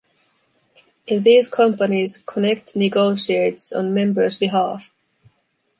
In these companies Connect negotiates on members' behalf.